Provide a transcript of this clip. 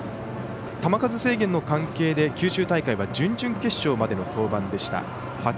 球数制限の関係で九州大会は準々決勝までの登板でした。